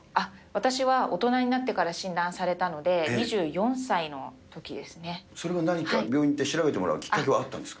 私は大人になってから診断さそれは何か、病院に行って調べてもらうきっかけってあったんですか。